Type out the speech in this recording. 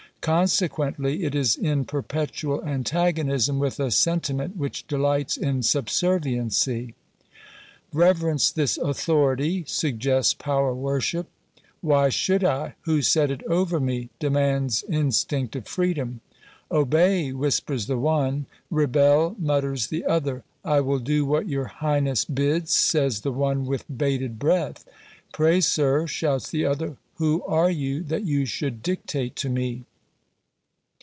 Consequently, it is in perpetual antagonism with a sentiment which delights in sub serviency. " Reverence this authority," suggests power worship. " Why should I ? who set it over me ?" demands instinct of freedom. "Obey," whispers the one. "Rebel," mutters the other. "I will do what your Highness bids," says the one with bated breath. "Pray, sir," shouts the other, "who are you, that you should dictate to me